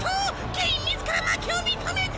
ケイン自ら負けを認めた。